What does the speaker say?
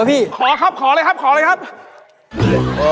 สายปะ